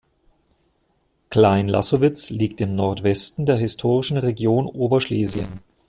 Klein Lassowitz liegt im Nordwesten der historischen Region Oberschlesien.